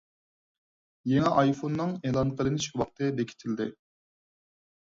يېڭى ئايفوننىڭ ئېلان قىلىنىش ۋاقتى بېكىتىلدى.